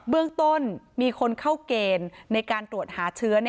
เบื้องต้นมีคนเข้าเกณฑ์ในการตรวจหาเชื้อ